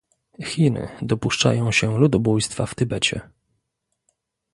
Chiny dopuszczają się ludobójstwa w Tybecie